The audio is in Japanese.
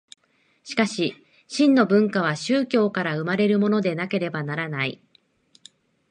しかし真の文化は宗教から生まれるものでなければならない。